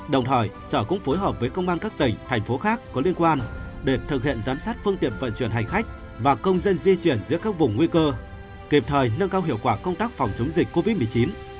đồng thời sở cũng phối hợp với công an các tỉnh thành phố khác có liên quan để thực hiện giám sát phương tiện vận chuyển hành khách và công dân di chuyển giữa các vùng nguy cơ kịp thời nâng cao hiệu quả công tác phòng chống dịch covid một mươi chín